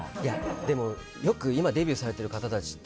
でも今デビューされてる方たちって